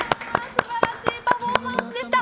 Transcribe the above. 素晴らしいパフォーマンスでした。